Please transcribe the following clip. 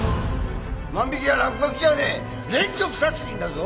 万引や落書きじゃねえ連続殺人だぞ！